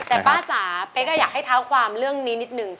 แต่ป้าจ๋าเป๊กอยากให้เท้าความเรื่องนี้นิดนึง